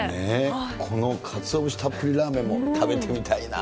このかつお節たっぷりラーメンも食べてみたいな。